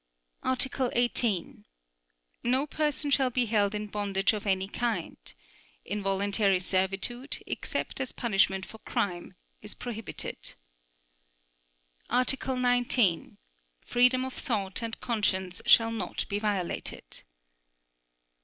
Article 18. No person shall be held in bondage of any kind. Involuntary servitude, except as punishment for crime, is prohibited. Article 19. Freedom of thought and conscience shall not be violated.